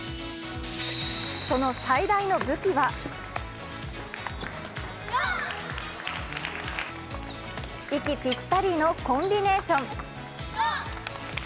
その最大の武器は息ぴったりのコンビネーション。